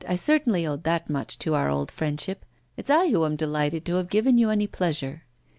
I certainly owed that much to our old friendship. It's I who am delighted to have given you any pleasure.